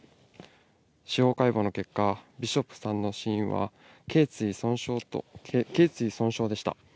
司法解剖の結果、ビショップさんの死因は、けい髄損傷でした。